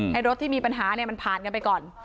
ให้รถที่มีปัญหามันผ่านกันไปก่อน